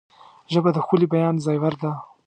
ژبه د ښکلي بیان زیور ده